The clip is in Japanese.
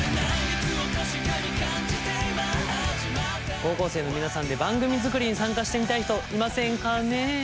高校生の皆さんで番組作りに参加してみたい人いませんかねえ？